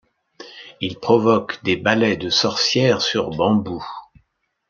Il provoque des balais de sorcière sur bambou.